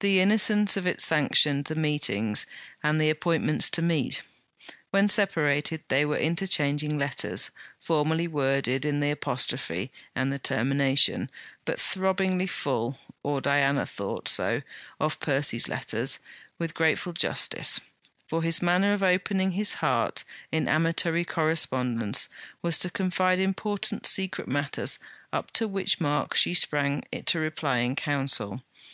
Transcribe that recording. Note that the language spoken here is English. The innocence of it sanctioned the meetings and the appointments to meet. When separated they were interchanging letters, formally worded in the apostrophe and the termination, but throbbingly full: or Diana thought so of Percy's letters, with grateful justice; for his manner of opening his heart in amatory correspondence was to confide important, secret matters, up to which mark she sprang to reply in counsel.